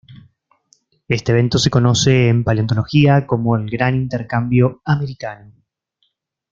Este evento se conoce en paleontología como el "Gran Intercambio Americano".